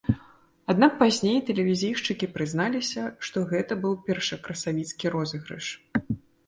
Аднак пазней тэлевізійшчыкі прызналіся, што гэта быў першакрасавіцкі розыгрыш.